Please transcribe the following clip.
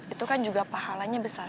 itu kan juga pahalanya besar